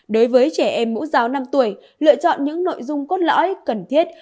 đối với trẻ em mẫu giáo năm tuổi lựa chọn những nội dung cốt lõi cần thiết